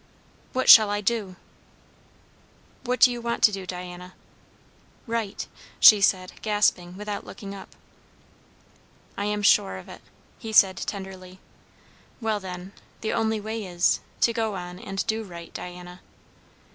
"What shall I do?" "What do you want to do, Diana?" "Right" she said, gasping, without looking up. "I am sure of it!" he said tenderly. "Well, then the only way is, to go on and do right, Diana."